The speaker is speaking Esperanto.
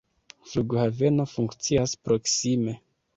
La flughaveno funkcias proksime.